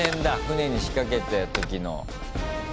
船に仕掛けた時の。